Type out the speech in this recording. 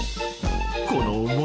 この重さ！